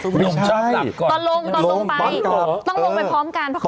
ไม่ใช่ต้องลงไปพร้อมกันเพราะเขาไม่ได้มารอหรือว่า